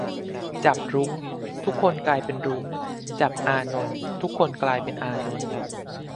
"จับรุ้ง ทุกคนกลายเป็นรุ้ง จับอานนท์ ทุกคนกลายเป็นอานนท์"